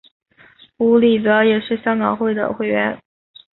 邬励德也是香港会的会员。